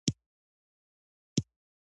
زه ډير ناروغه شوم